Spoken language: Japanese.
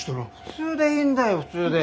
普通でいいんだよ普通で。